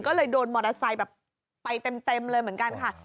ก็เลยโดนมอเตอร์ไซค์แบบไปเต็มเลยเหมือนกันค่ะ